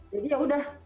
jadi ya udah